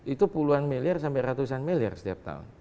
itu puluhan miliar sampai ratusan miliar setiap tahun